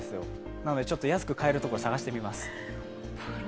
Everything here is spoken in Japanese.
なのでちょっと安く買えるところを探してみます。